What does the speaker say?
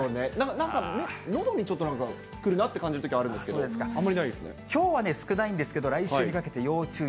なんか、のどにちょっとなんか来るなって感じるときあるんできょうは少ないんですけど、来週にかけて要注意。